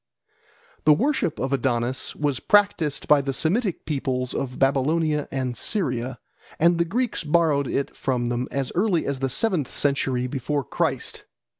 The worship of Adonis was practised by the Semitic peoples of Babylonia and Syria, and the Greeks borrowed it from them as early as the seventh century before Christ.